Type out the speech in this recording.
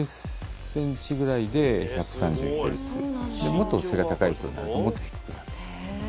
もっと背が高い人になるともっと低くなっていきます。